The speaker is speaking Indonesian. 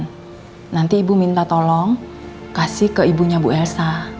dan nanti ibu minta tolong kasih ke ibunya bu elsa